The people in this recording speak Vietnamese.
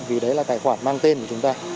vì đấy là tài khoản mang tên của chúng ta